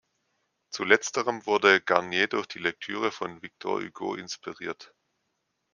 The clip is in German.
Zu letzterem wurde Garnier durch die Lektüre von Victor Hugo inspiriert.